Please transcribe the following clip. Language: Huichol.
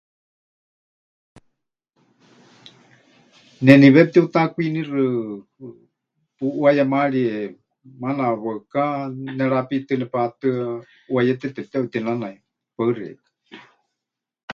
Neniwé pɨtiutakwinixi, puʼuayemarie, maana waɨká nerapitɨ́ nepatɨa, ʼuayéte tepɨteʼutinanai. Paɨ xeikɨ́a.